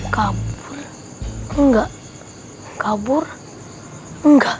kabur enggak kabur enggak